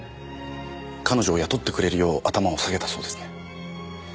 彼女を雇ってくれるよう頭を下げたそうですね。